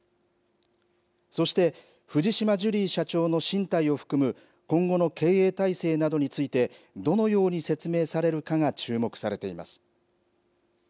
そして藤島ジュリー社長の進退を含む、今後の経営体制などについてどのように説明されるかが注目されています。